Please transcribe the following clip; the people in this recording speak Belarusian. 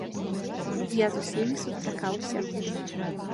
Я з усімі сустракаўся.